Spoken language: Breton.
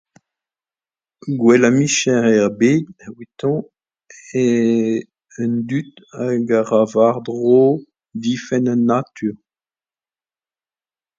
Gwellañ micher er bed evidon eo an dud hag a ra war dro difenn an natur